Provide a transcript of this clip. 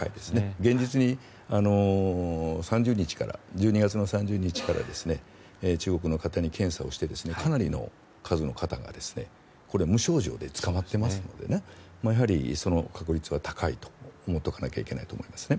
現実に１２月３０日から中国の方に検査をしてかなりの数の方が無症状でつかまっていますのでやはりその確率は高いと思っておかないといけないと思います。